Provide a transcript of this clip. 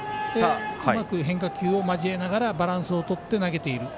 うまく変化球を交えながらバランスをとって投げている。